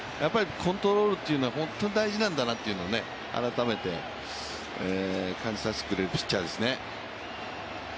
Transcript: コントロールというのは本当に大事なんだなというのを改めて感じさせてくれるピッチャーですね。